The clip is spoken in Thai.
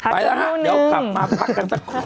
ไปแล้วฮะเดี๋ยวกลับมาพักกันสักครู่